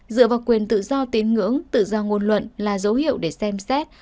dựa vào quyền tự do tín ngưỡng tự do ngôn luận là dấu hiệu để xem xét